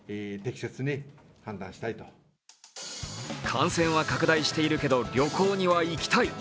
感染は拡大しているけど旅行には行きたい。